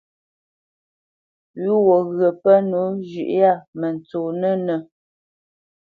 Pʉ̌ wo ŋgyə̌ pə́ nǒ zhʉ̌ʼ yâ mə ntsonə́nə̄,